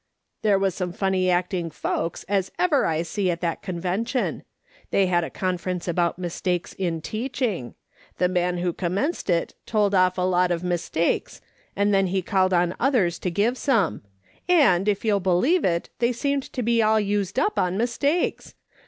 " TiiEUE was some funny acting folks as ever I see at that Convention. Tliey had a conference about mistakes in teaching. The man who commenced it told off a lot of mistakes, and then he called on others to give some ; and, if you'll believe it, they seemed to be all used up on mistakes.